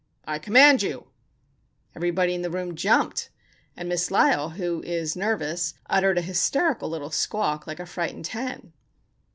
I command you!" Everybody in the room jumped, and Miss Lysle, who is nervous, uttered an hysterical little squawk, like a frightened hen.